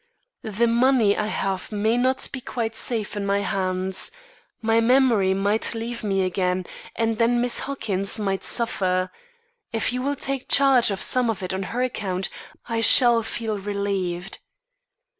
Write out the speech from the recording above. The money I have may not be quite safe in my hands. My memory might leave me again, and then Miss Huckins might suffer. If you will take charge of some of it on her account, I shall feel relieved."